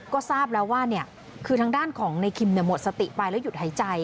ก็ทราบแล้วว่าคือทางด้านของในคิมหมดสติไปแล้วหยุดหายใจ